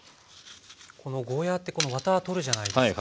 ゴーヤーってこのワタ取るじゃないですか。